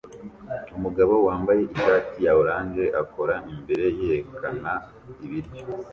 Umugabo wambaye ishati ya orange akora imbere yerekana ibiryo